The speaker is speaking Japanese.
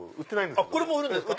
これも売るんですか？